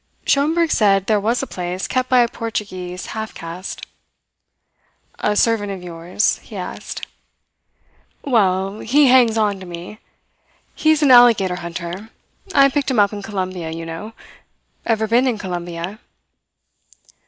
Schomberg said there was a place kept by a Portuguese half caste. "A servant of yours?" he asked. "Well, he hangs on to me. He is an alligator hunter. I picked him up in Colombia, you know. Ever been in Colombia?"